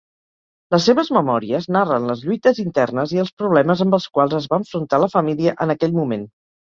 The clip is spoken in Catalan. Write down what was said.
Les seves memòries narren les lluites internes i els problemes amb els quals es va enfrontar la família en aquell moment.